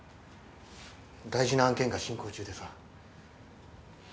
大事な案件が進行中でさ。